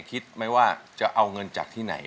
คิดไหมว่าจะเอาเงินจากที่ไหน